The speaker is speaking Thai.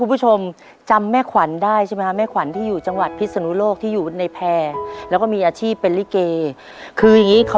เรื่องควันได้ใช่มั้ยแม่ขวันที่อยู่จังหวัดพิศนุโรคที่อยู่ในแพรงและก็มีอาชีพเป็นริเก